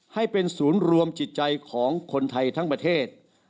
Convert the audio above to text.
ให้เป็นศูนย์รวมจิตใจของคนไทยทั้งประเทศ